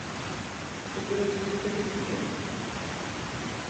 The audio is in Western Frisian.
Hoe grut wie Grutte Pier?